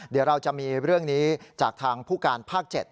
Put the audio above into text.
เดี๋ยวเราจะมีเรื่องนี้จากทางผู้การภาค๗